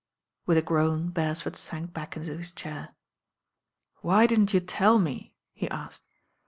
With a groan Beresford sank back into his chair. Why didn't you tell me ?" he asked.